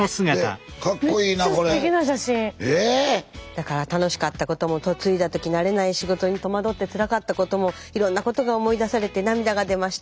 だから楽しかったことも嫁いだ時慣れない仕事に戸惑ってつらかったこともいろんなことが思い出されて涙が出ました。